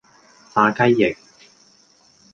炸雞翼